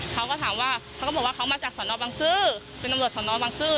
เขาก็ถามว่าเขาก็บอกว่าเขามาจากสอนอบังซื้อเป็นตำรวจสอนอบังซื้อ